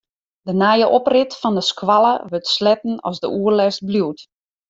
De nije oprit fan de skoalle wurdt sletten as de oerlêst bliuwt.